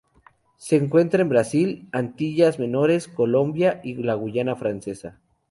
Se encuentra en Brasil, Antillas Menores, Colombia y la Guayana Francesa.